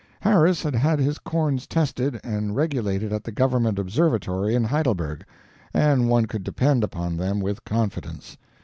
Harris had had his corns tested and regulated at the government observatory in Heidelberg, and one could depend upon them with confidence.